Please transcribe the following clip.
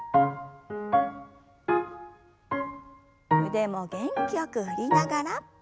腕も元気よく振りながら。